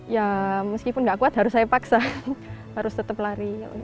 ya meskipun nggak kuat harus saya paksa harus tetap lari